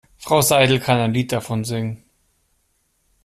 Frau Seidel kann ein Lied davon singen.